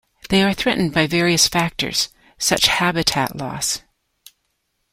They are threatened by various factors such habitat loss.